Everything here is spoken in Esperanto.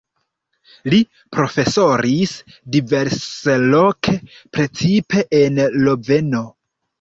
Li profesoris diversloke, precipe en Loveno.